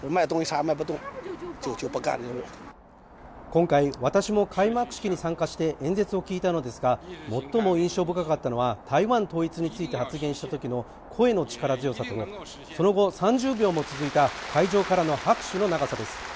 今回、私も開幕式に参加して、演説を聞いたのですが最も印象深かったのは台湾統一について発言したときの声の力強さとその後、３０秒も続いた会場からの拍手の長さです。